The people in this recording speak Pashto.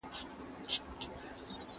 چي په پانوس کي سوځېدلي وي پښېمانه نه ځي